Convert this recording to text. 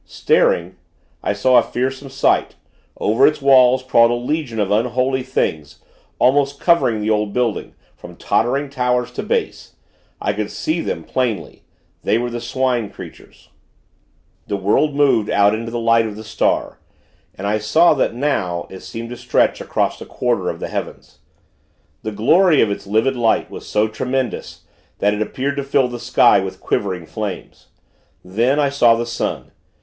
Staring, I saw a fearsome sight over its walls crawled a legion of unholy things, almost covering the old building, from tottering towers to base. I could see them, plainly; they were the Swine creatures. The world moved out into the light of the Star, and I saw that, now, it seemed to stretch across a quarter of the heavens. The glory of its livid light was so tremendous, that it appeared to fill the sky with quivering flames. Then, I saw the sun.